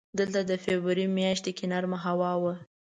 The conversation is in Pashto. دلته د فبروري میاشت کې نرمه هوا وه.